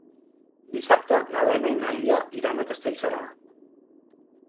Dissabte na Lena i na Lia iran a Castellserà.